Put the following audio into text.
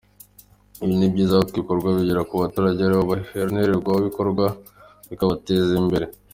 Ibi ni byiza kuko ibikorwa bigera ku baturage ari bo bahenerwabikorwa, bikabateza imbere”.